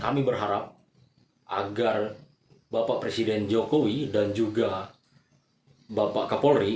kami berharap agar bapak presiden jokowi dan juga bapak kapolri